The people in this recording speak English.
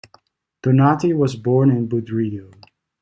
Donati was born in Budrio.